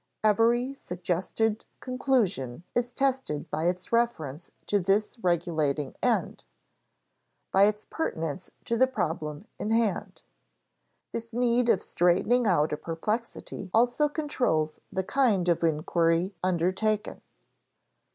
Every suggested conclusion is tested by its reference to this regulating end, by its pertinence to the problem in hand. This need of straightening out a perplexity also controls the kind of inquiry undertaken.